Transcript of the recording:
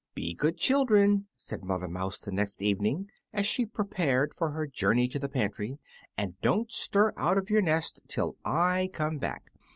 "Be good children," said Mamma Mouse the next evening, as she prepared for her journey to the pantry, "and don't stir out of your nest till I come back.